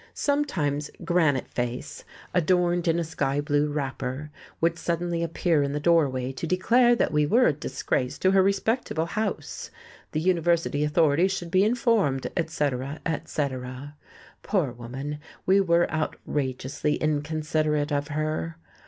Sometimes Granite Face, adorned in a sky blue wrapper, would suddenly appear in the doorway to declare that we were a disgrace to her respectable house: the university authorities should be informed, etc., etc. Poor woman, we were outrageously inconsiderate of her....